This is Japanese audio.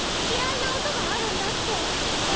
嫌いな音があるんだって。